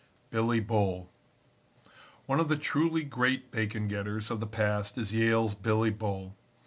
Billy Bull One of the truly great bacon getters of the past is Yale's Billy Bull.